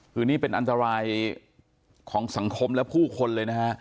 คือนี่เป็นอันตรายของสังคมและผู้คนเลยนะฮะ